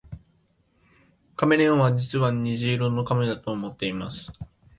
カメレオンは実は虹色の亀だと思っています